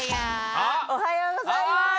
おはようございます。